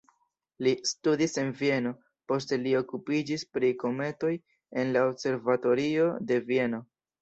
Li studis en Vieno, poste li okupiĝis pri kometoj en la observatorio de Vieno.